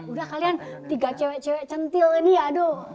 udah kalian tiga cewek cewek centil ini aduh